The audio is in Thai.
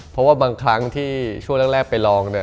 เพราะว่าบางครั้งที่ช่วงแรกไปลองเนี่ย